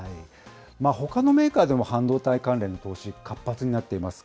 ほかのメーカーでも半導体関連の投資、活発になっています。